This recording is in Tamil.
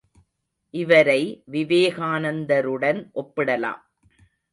இவரை விவேகானந்தருடன் ஒப்பிடலாம்.